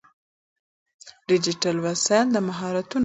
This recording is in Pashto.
ډیجیټل وسایل د مهارتونو وده کوي.